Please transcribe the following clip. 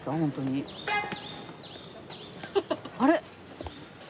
あれ？